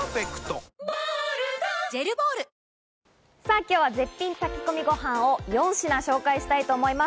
今日は絶品炊き込みご飯を４品、ご紹介したいと思います。